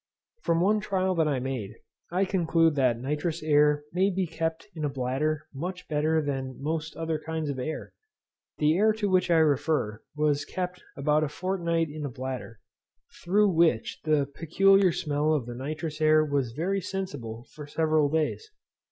From one trial that I made, I conclude that nitrous air may be kept in a bladder much better than most other kinds of air. The air to which I refer was kept about a fortnight in a bladder, through which the peculiar smell of the nitrous air was very sensible for several days.